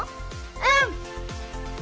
うん！